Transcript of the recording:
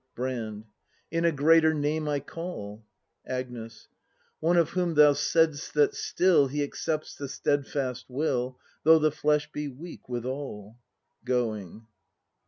Brand. In a greater name I call. Agnes. One of whom thou saidst that still He accepts the steadfast will, Though the flesh be weak withal! [Going.